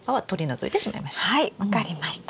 はい分かりました。